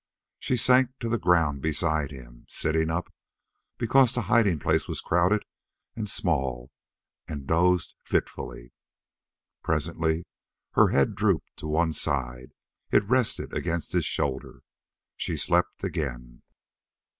She sank to the ground beside him, sitting up because the hiding place was crowded and small and dozed fitfully. Presently her head drooped to one side. It rested against his shoulder. She slept again.